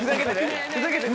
ふざけてる？